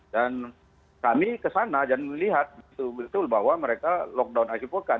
dan kami kesana dan melihat betul betul bahwa mereka lockdown akibatnya